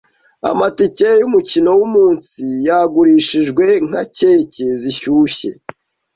Amatike yumukino wuyu munsi yagurishijwe nka keke zishyushye.